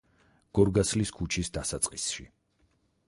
გორგასლის ქუჩის დასაწყისში.